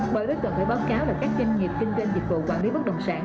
bởi đối cận với báo cáo là các doanh nghiệp kinh doanh dịch vụ quản lý bất đồng sản